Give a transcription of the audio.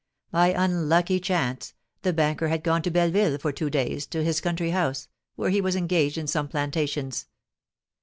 By an unlucky chance, the banker had gone to Belleville for two days, to his country house, where he was engaged in some plantations.